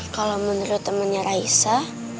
kalau menurut temennya raisa